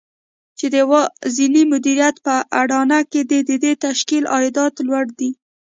چې د يوازېني مديريت په اډانه کې د دې تشکيل عايدات لوړ دي.